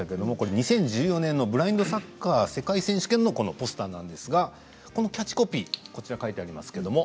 ２０１４年のブラインドサッカー世界選手権のポスターですがこのキャッチコピー「見えない。